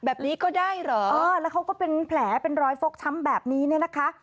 แบบนี้ก็ได้เหรอเออแล้วเขาก็เป็นแผลเป็นรอยฟกช้ำแบบนี้เนี่ยนะคะ